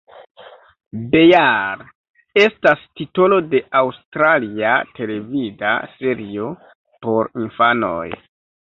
Bear estas titolo de aŭstralia televida serio por infanoj.